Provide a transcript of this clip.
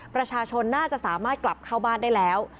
ประชาชนน่าจะสามารถกลับเข้าบ้านได้แล้ว